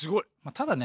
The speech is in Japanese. ただね